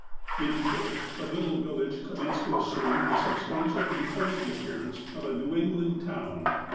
In short, the little village commenced to assume the substantial and cosy appearance of a New England town.